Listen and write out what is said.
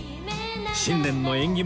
新年の縁起物